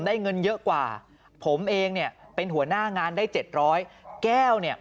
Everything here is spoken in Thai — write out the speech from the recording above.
ได้เงินเยอะกว่าผมเองเนี่ยเป็นหัวหน้างานได้เจ็ดร้อยแก้วเนี่ย